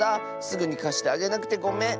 すぐにかしてあげなくてごめん！